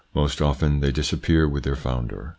Most often they disappear with their founder.